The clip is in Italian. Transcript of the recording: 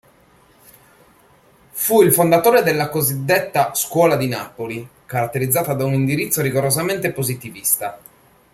Fu il fondatore della cosiddetta "Scuola di Napoli", caratterizzata da un indirizzo rigorosamente positivista.